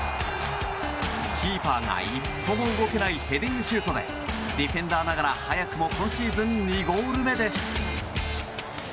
キーパーが一歩も動けないヘディングシュートでディフェンダーながら早くも今シーズン２ゴール目です。